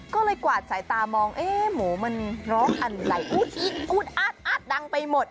ก็เลยกวาดสายตามองเอ๊ะหมูมันร้องอะไรอุ๊ดอู๊ดอาดดังไปหมด